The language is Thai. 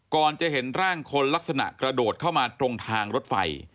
ก่อนจะเห็นร่างคนลักษณะกระโดดเข้ามาตรงทางรถไฟ